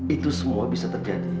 itu semua bisa terjadi